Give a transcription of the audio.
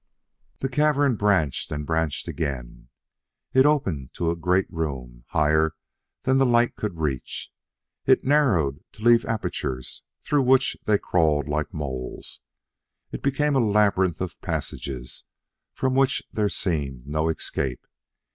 The cavern branched and branched again; it opened to a great room higher than their light could reach; it narrowed to leave apertures through which they crawled like moles; it became a labyrinth of passages from which there seemed no escape.